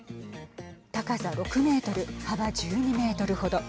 高さ６メートル幅１２メートル程。